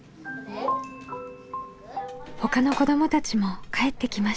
ほかの子どもたちも帰ってきました。